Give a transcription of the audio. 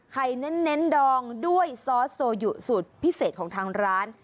เน้นดองด้วยซอสโซยุสูตรพิเศษของทางร้าน